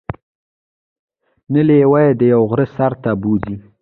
نو لیوه يې د یوه غره سر ته بوځي.